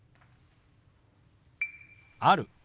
「ある」。